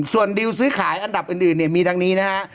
ส่วนดิวซื้อขายอันดับอื่นเนี่ยมีดังนี้นะฮะ